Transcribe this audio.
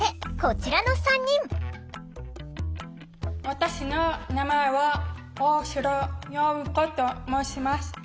私の名前は大城桜子と申します。